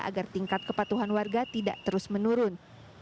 agar tingkat kepatuhan warga tidak terus menurun